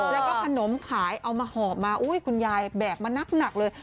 แล้วก็ขนมขายเอามาหอบมาคุณยายแบกมานักเลย